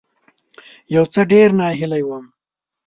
یو څه ډیر ناهیلی وي